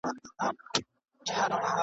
د آس لغته آس زغمي